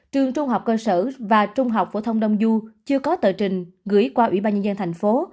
trường trung học cơ sở và trung học phổ thông đông du chưa có tờ trình gửi qua ủy ban nhân dân thành phố